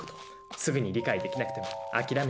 すぐに理解できなくても諦めちゃ駄目さ。